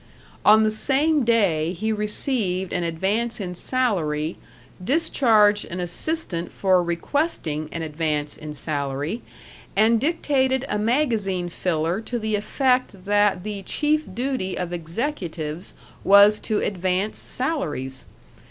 On the same day, he received an advance in salary, discharged an assistant for requesting an advance in salary, and dictated a magazine filler to the effect that the chief duty of executives was to advance salaries.